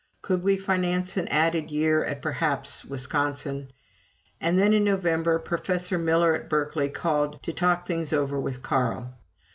Could we finance an added year at, perhaps, Wisconsin? And then, in November, Professor Miller of Berkeley called to talk things over with Carl.